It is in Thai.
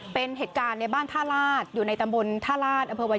เป็นเหตุการณ์ในบ้านท่าลาศอยู่ในตำบลท่าลาศ